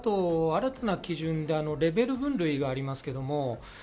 新たな基準でレベル分類があります。